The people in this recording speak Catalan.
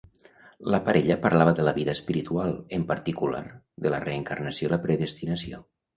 La parella parlava de la vida espiritual, en particular, de la reencarnació i la predestinació.